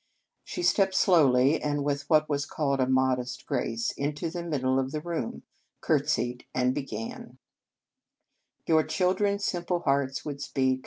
She stepped slowly, and with what was called a " modest grace," into the middle of the room, curtsied, and began :" Your children s simple hearts would speak.